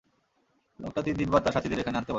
লোকটি তিন তিনবার তার সাথিদের এখানে আনতে বলে।